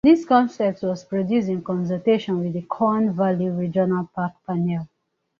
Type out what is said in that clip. This concept was produced in consultation with the Colne Valley Regional Park Panel.